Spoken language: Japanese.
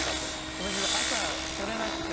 この日ちょっと朝撮れなくて。